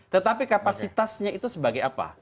tetapi kapasitasnya itu sebagai apa